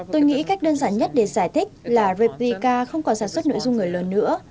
tôi nghĩ cách đơn giản nhất để giải thích là raprika không còn sản xuất nội dung người lớn nữa